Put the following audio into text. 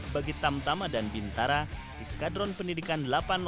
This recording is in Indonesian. bagi tamtama dan bintara di skadron pendidikan delapan